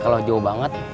kalau jauh banget